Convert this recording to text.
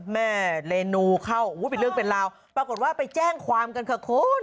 แม่ย้อยคือคุณใหม่ที่ปลดต่อคอ